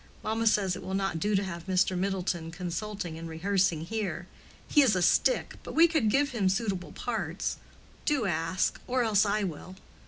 Mamma says it will not do to have Mr. Middleton consulting and rehearsing here. He is a stick, but we could give him suitable parts. Do ask, or else I will."